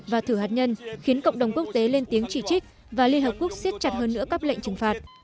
và thử hạt nhân khiến cộng đồng quốc tế lên tiếng chỉ trích và liên hợp quốc xiết chặt hơn nữa các lệnh trừng phạt